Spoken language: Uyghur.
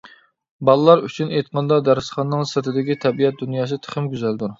بالىلار ئۈچۈن ئېيتقاندا، دەرسخانىنىڭ سىرتىدىكى «تەبىئەت دۇنياسى» تېخىمۇ گۈزەلدۇر.